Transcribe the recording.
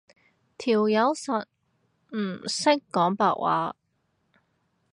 條友實唔識講白話